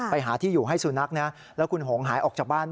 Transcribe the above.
ไปหาที่อยู่ให้สุนัขนะแล้วคุณหงหายออกจากบ้าน